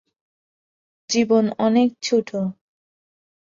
জীবন অনেক ছোট।